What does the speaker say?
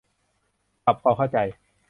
ปรับความเข้าใจ